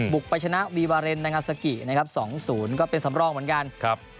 บุกไปชนะวีวาเรนนางาซากิ๒๐ก็เป็นสำรองเหมือนกัน